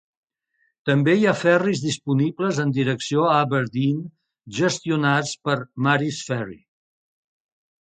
També hi ha ferris disponibles en direcció a Aberdeen gestionats per Maris Ferry.